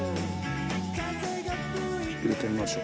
入れてみましょう。